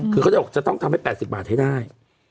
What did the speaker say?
คือเขาจะบอกจะต้องทำให้๘๐บาทให้ได้